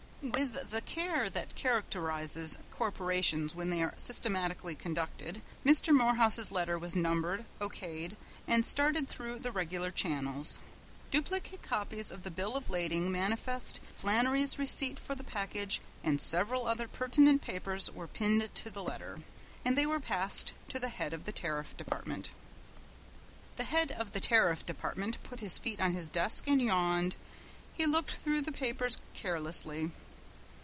With the care that characterizes corporations when they are systematically conducted, Mr. Morehouse's letter was numbered, O.K'd, and started through the regular channels. Duplicate copies of the bill of lading, manifest, Flannery's receipt for the package and several other pertinent papers were pinned to the letter, and they were passed to the head of the Tariff Department. The head of the Tariff Department put his feet on his desk and yawned. He looked through the papers carelessly.